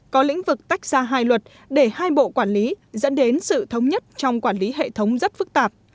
có lĩnh vực tách ra hai luật để hai bộ quản lý dẫn đến sự thống nhất trong quản lý hệ thống rất phức tạp